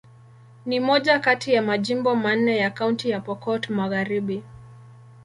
Ni moja kati ya majimbo manne ya Kaunti ya Pokot Magharibi.